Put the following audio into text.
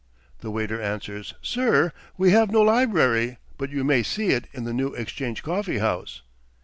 "' The waiter answers, 'Sir, we have no library, but you may see it in the New Exchange Coffee House.'